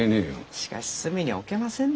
しかし隅に置けませんね